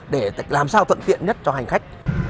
để làm sao thuận tiện cho hành khách